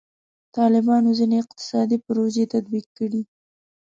طالبانو ځینې اقتصادي پروژې تطبیق کړي.